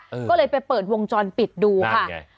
อืมก็เลยไปเปิดวงจรปิดดูค่ะน่ะอย่างไร